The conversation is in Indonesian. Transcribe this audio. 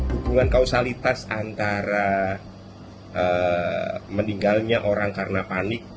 hubungan kausalitas antara meninggalnya orang karena panik